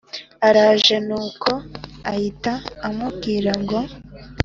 araje nuko ahita amubwira ngo